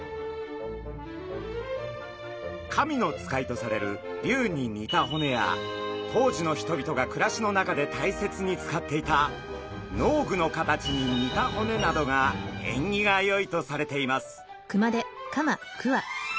神の使いとされる龍に似た骨や当時の人々が暮らしの中で大切に使っていた農具の形に似た骨などが縁起がよいとされています。